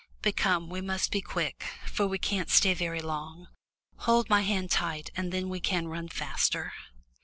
But come, we must be quick, for we can't stay very long. Hold my hand tight and then we can run faster."